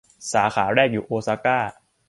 สาขาแรกอยู่โอซาก้า